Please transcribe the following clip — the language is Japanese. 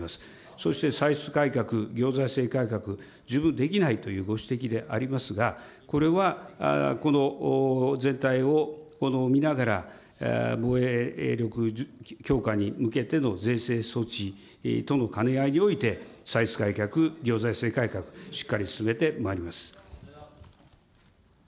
そして歳出改革、行財政改革、十分できないというご指摘でありますが、これは全体を見ながら防衛力強化に向けての税制措置との兼ね合いにおいて、歳出改革、行財政改革、しっかり進めてまいります。